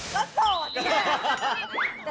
ก็โสดนี่แหละ